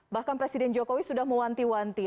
bahkan presiden jokowi sudah mewanti wanti